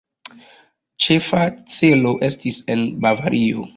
Ĉefa celo estis en Bavario.